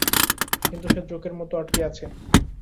কিন্তু সে জোঁকের মত, আটকে আছে।